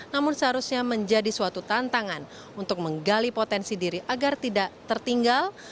namun seharusnya menjadi suatu tantangan untuk menggali potensi diri agar tidak tertinggal